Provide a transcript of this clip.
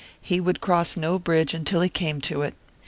He would cross no bridge until he came to it.